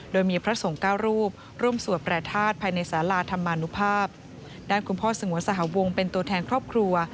โดยมีพระสงฆ์เก้ารูปร่วมสวดพระธาตุภายในสาราธรรมนุภาพด้านคุณพ่อสงวนสหวงเป็นตัวแทนครอบครัว